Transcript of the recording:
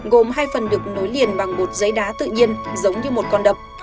gồm hai phần được nối liền bằng bột giấy đá tự nhiên giống như một con đập